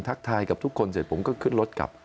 ทักทายกับทุกคนเสร็จผมก็ขึ้นรถกลับ